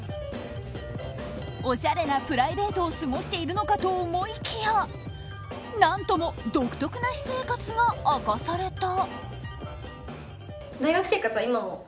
おしゃれなプライベートを過ごしているのかと思いきや何とも独特な私生活が明かされた。